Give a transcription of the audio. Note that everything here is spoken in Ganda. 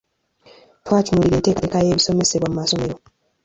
Twatunuulira enteekateeka y’ebisomesebwa mu masomero.